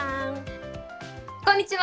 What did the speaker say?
こんにちは。